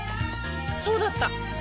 そうだった！